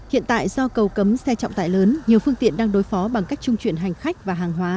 hiện tại do cầu cấm xe trọng tải lớn nhiều phương tiện đang đối phó bằng cách trung chuyển hành khách và hàng hóa